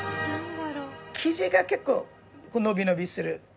生地が結構のびのびする。